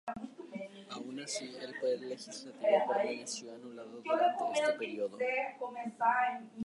Aun así el poder legislativo permaneció anulado durante este período.